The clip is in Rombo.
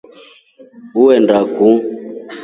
Uenda kuu?